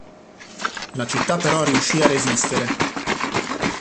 La città però riuscì a resistere.